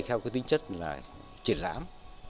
theo cái tính chất là triển lãm